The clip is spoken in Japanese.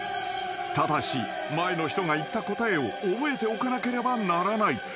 ［ただし前の人が言った答えを覚えておかなければならない］